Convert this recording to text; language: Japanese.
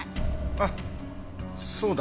あっそうだ。